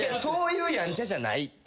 そういうやんちゃじゃない。